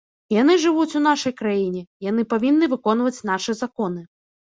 Яны жывуць у нашай краіне, яны павінны выконваць нашы законы.